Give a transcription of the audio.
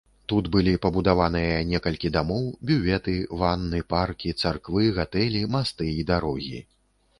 Тут былі пабудаваныя некалькі дамоў, бюветы, ванны, паркі, царквы, гатэлі, масты і дарогі.